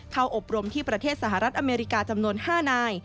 อบรมที่ประเทศสหรัฐอเมริกาจำนวน๕นาย